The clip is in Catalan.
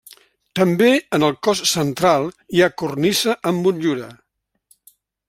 També en el cos central hi ha cornisa amb motllura.